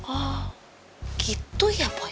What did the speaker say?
oh gitu ya boy